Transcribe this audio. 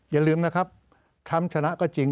อย่าลืมนะครับทรัมป์ชนะก็จริง